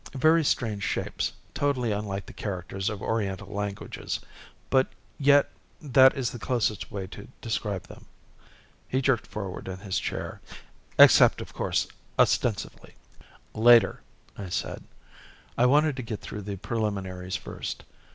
Very strange shapes, totally unlike the characters of Oriental languages, but yet that is the closest way to describe them." He jerked forward in his chair, "Except, of course, ostensively." "Later," I said. I wanted to get through the preliminaries first.